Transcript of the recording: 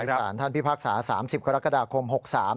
คุณทรัพย์ภาคศาสตร์๓๐กรกฎาคม๖๓